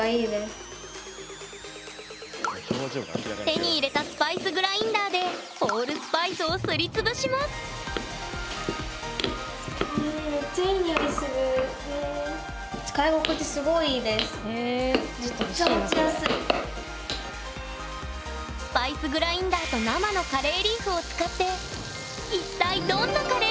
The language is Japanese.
手に入れたスパイスグラインダーでホールスパイスをすり潰しますへえちょっと欲しいなこれ。